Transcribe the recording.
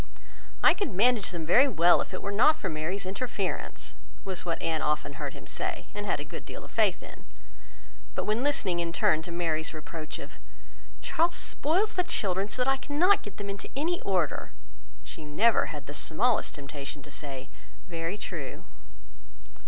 "I could manage them very well, if it were not for Mary's interference," was what Anne often heard him say, and had a good deal of faith in; but when listening in turn to Mary's reproach of "Charles spoils the children so that I cannot get them into any order," she never had the smallest temptation to say, "Very true."